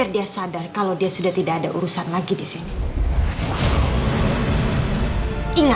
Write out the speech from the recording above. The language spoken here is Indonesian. atau dipichat adalah pribadi pasrah atau g cukup mennjelahkan mitra hidupmu